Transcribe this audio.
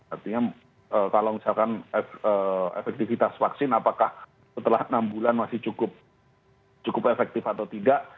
artinya kalau misalkan efektivitas vaksin apakah setelah enam bulan masih cukup efektif atau tidak